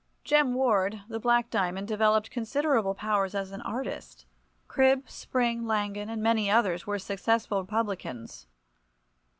Jem Ward, the Black Diamond, developed considerable powers as an artist. Cribb, Spring, Langan, and many others, were successful publicans.